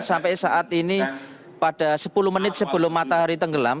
sampai saat ini pada sepuluh menit sebelum matahari tenggelam